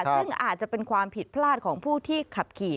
ซึ่งอาจจะเป็นความผิดพลาดของผู้ที่ขับขี่